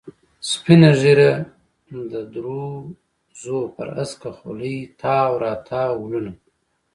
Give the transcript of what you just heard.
سپینه ږیره، د دروزو پر هسکه خولې تاو را تاو ولونه.